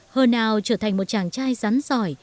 hơn ao trở thành một chàng trai rắn giỏi